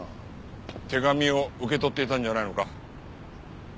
手紙を受け取っていたんじゃないのか？